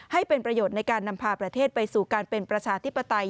ให้เป็นประโยชน์ในการนำพาประเทศไปสู่การเป็นประชาธิปไตย